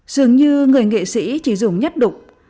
dường như người nghệ sĩ chỉ dùng nhất đục